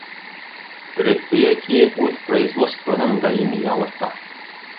Предприятие үҙ производствоһын даими яңырта.